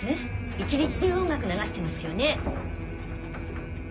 一日中音楽流してますよね。